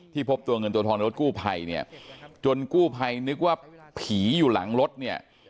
พบตัวเงินตัวทองในรถกู้ภัยเนี่ยจนกู้ภัยนึกว่าผีอยู่หลังรถเนี่ย